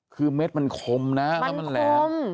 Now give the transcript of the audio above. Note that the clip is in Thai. คือเม็ดมันคมนะแล้วมันแหลม